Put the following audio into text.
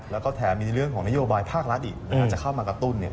แล้วก็แถมมีเรื่องของนโยบายภาครัฐอีกจะเข้ามากระตุ้น